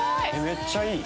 めっちゃいい！